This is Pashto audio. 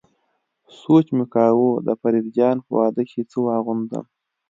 سوچ مې کاوه د فريد جان په واده کې څه واغوندم.